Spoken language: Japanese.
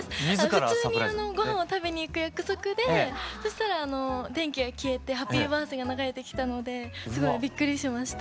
普通にごはんを食べに行く約束でそしたら電気が消えて「ハッピーバースデイ」が流れてきたのですごいびっくりしました。